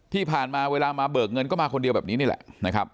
ที่ผ่านมาเวลามาเบิกเงินก็มาคนเดียวแบบนี้นี่แหละนะครับ